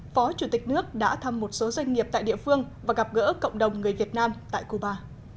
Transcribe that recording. phó chủ tịch nước đã thăm một số doanh nghiệp tại địa phương và gặp gỡ cộng đồng người việt nam tại cuba